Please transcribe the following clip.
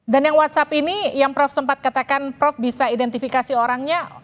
dan yang whatsapp ini yang prof sempat katakan prof bisa identifikasi orangnya